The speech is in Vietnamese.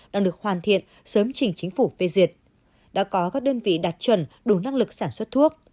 đang được hoàn thiện sớm trình chính phủ phê duyệt đã có các đơn vị đạt chuẩn đủ năng lực sản xuất thuốc